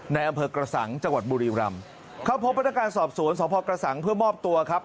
ในอำเภอกระสังจังหวัดบุรีรำเข้าพบพนักงานสอบสวนสพกระสังเพื่อมอบตัวครับ